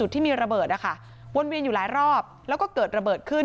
ที่มีระเบิดนะคะวนเวียนอยู่หลายรอบแล้วก็เกิดระเบิดขึ้น